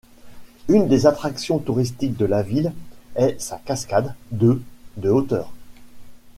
Une des attractions touristiques de la ville est sa cascade de de hauteur.